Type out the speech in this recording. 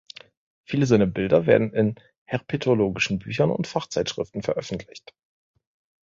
Viele seiner Bilder werden in herpetologischen Büchern und Fachzeitschriften veröffentlicht.